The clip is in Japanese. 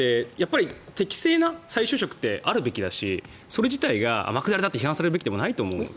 適正な再就職ってあるべきだしそれ自体が天下りだって批判されるべきではないと思うので。